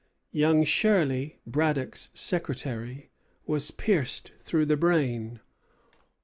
Young Shirley, Braddock's secretary, was pierced through the brain.